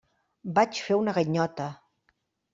Vaig fer una ganyota.